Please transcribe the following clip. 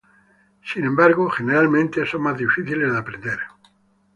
Sin embargo, son generalmente más difíciles de aprender.